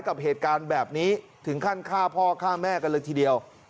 กับเหตุการณ์แบบนี้ถึงขั้นฆ่าพ่อฆ่าแม่กันเลยทีเดียว